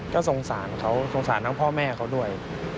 ก็สงสารเขาสงสารทั้งพ่อแม่เขาด้วย